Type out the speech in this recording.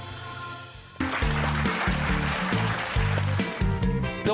สวัสดีครับ